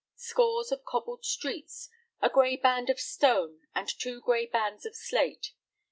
Scores of cobbled streets, a gray band of stone, and two gray bands of slate.